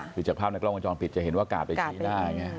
หรือจากภาพในกล้องกระจองผิดจะเห็นว่ากาดไปชี้หน้า